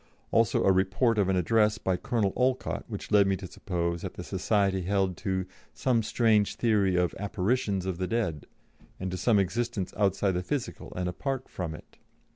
Also a report of an address by Colonel Olcott, which led me to suppose that the society held to "some strange theory of 'apparitions' of the dead, and to some existence outside the physical and apart from it."